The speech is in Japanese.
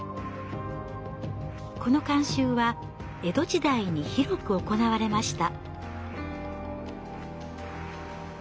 この慣習は江戸時代に広く行われました。